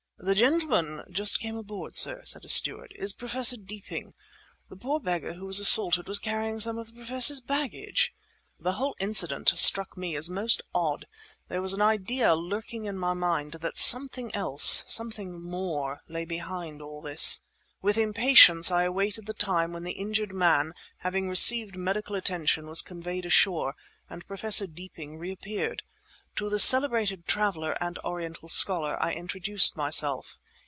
"The gentleman just come aboard, sir," said a steward, "is Professor Deeping. The poor beggar who was assaulted was carrying some of the Professor's baggage." The whole incident struck me as most odd. There was an idea lurking in my mind that something else—something more—lay behind all this. With impatience I awaited the time when the injured man, having received medical attention, was conveyed ashore, and Professor Deeping reappeared. To the celebrated traveller and Oriental scholar I introduced myself.